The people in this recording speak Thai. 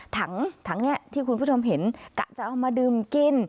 ถังนี้ที่คุณผู้ชมเห็นกะจะเอามาดื่มกิน